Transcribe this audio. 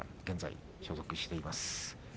現在、所属しています。